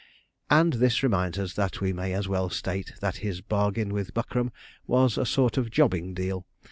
And this reminds us, that we may as well state that his bargain with Buckram was a sort of jobbing deal.